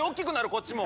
こっちも。